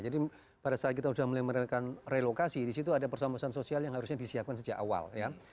jadi pada saat kita sudah melakukan relokasi disitu ada perusahaan perusahaan sosial yang harusnya disiapkan sejak awal ya